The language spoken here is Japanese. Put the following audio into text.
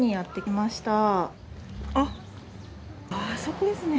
あっあそこですね。